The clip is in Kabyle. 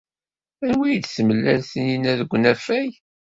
Anwa ay d-temlal Taninna deg unafag?